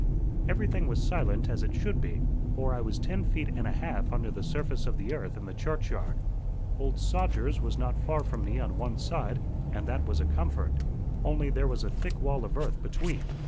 Everything was as silent as it should be, for I was ten feet and a half under the surface of the earth in the churchyard. Old Sogers was not far from me on one side, and that was a comfort; only there was a thick wall of earth between.